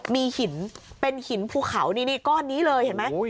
มีหินเป็นหินภูเขานี่ก้อนนี้เลยเห็นไหม